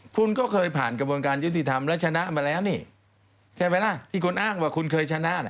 คุณก็เคยผ่านกระบวนการยุติธรรมแล้วชนะมาแล้วนี่ใช่ไหมล่ะที่คุณอ้างว่าคุณเคยชนะ